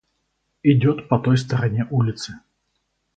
– Идет по той стороне улицы.